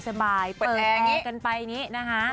เปิดแอร์กันไปนี่นะคะ